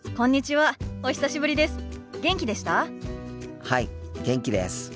はい元気です。